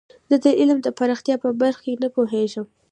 زه د علم د پراختیا په برخه کې نه پوهیږم.